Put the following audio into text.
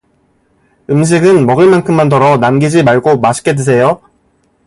음식은 먹을 만큼만 덜어 남기지 말고 맛있게 드세요!